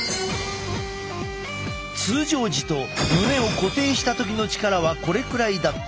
通常時と胸を固定した時の力はこれくらいだった。